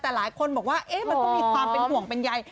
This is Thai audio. แต่หลายคนบอกว่ามันก็มีความเป็นห่วงเป็นใย